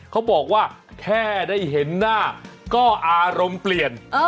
เขาบอกว่าแค่ได้เห็นหน้าก็อารมณ์เปลี่ยน